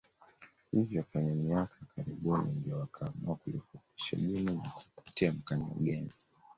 Hivyo kwenye miaka ya karibuni ndio wakaamua kulifupisha jina na kupaita Mkanyageni